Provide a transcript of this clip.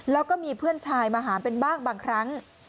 แล้วก็มีเพื่อนชายมาหาเป็นบ้างบางครั้ง